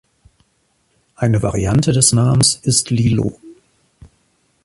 Eine Variante des Namens ist Lilo.